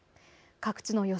各地の予想